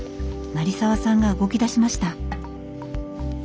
成澤さんが動き出しました。